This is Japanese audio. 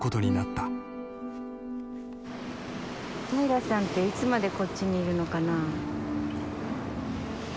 平さんっていつまでこっちにいるのかな？